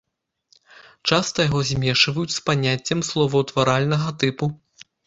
Часта яго змешваюць з паняццем словаўтваральнага тыпу.